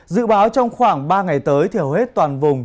dự báo trong khoảng ba ngày tới thì hầu hết toàn vùng